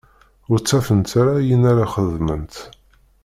Ur ttafent ara ayen ara xedment.